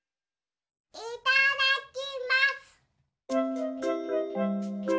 いただきます！